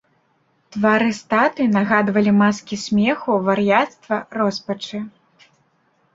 Твары статуй нагадвалі маскі смеху, вар'яцтва, роспачы.